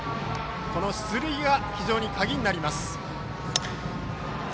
この出塁が非常に鍵になります。